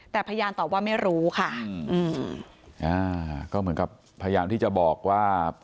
แต่พยานตอบว่าไม่รู้ค่ะอืมอ่าก็เหมือนกับพยายามที่จะบอกว่า